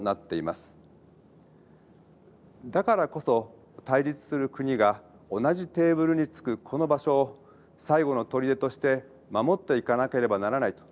だからこそ対立する国が同じテーブルに着くこの場所を最後の砦として守っていかなければならないというのも確かです。